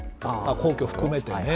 皇居を含めてね。